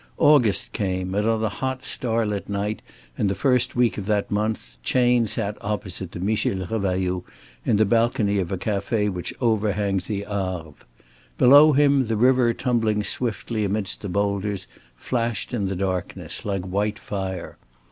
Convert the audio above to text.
August came, and on a hot starlit night in the first week of that month Chayne sat opposite to Michel Revailloud in the balcony of a café which overhangs the Arve. Below him the river tumbling swiftly amidst the boulders flashed in the darkness like white fire.